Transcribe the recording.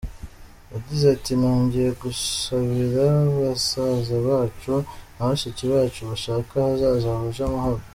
Yagize ati “Nongeye gusabira basaza bacu na bashiki bacu bashaka ahazaza huje amahoro.